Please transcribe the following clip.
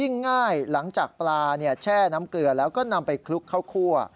ง่ายหลังจากปลาแช่น้ำเกลือแล้วก็นำไปคลุกข้าวคั่ว